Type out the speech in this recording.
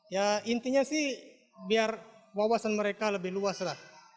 ya intinya sih biar wawasan mereka lebih luas lah